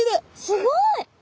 すごい！